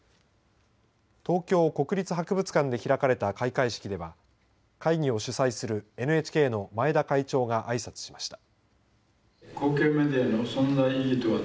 東京国立博物館で開かれた開会式では会議を主催するＮＨＫの前田会長があいさつしました。